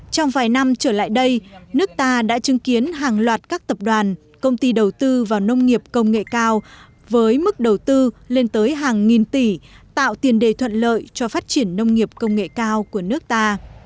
trong vài năm trở lại đây nước ta đã chứng kiến hàng loạt các tập đoàn công ty đầu tư vào nông nghiệp công nghệ cao với mức đầu tư lên tới hàng nghìn tỷ tạo tiền đề thuận lợi cho phát triển nông nghiệp công nghệ cao của nước ta